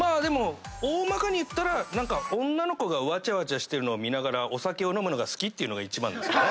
大まかに言ったら女の子がわちゃわちゃしてるの見ながらお酒を飲むのが好きっていうのが一番ですかね。